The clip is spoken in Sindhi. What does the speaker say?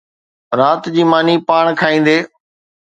رات جي ماني پاڻ کائيندي